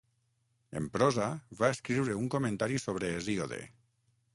En prosa va escriure un comentari sobre Hesíode.